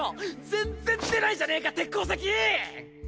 全然出ないじゃねぇか鉄鉱石！